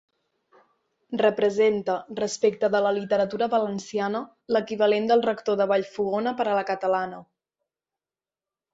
Representa, respecte de la literatura valenciana, l'equivalent del Rector de Vallfogona per a la catalana.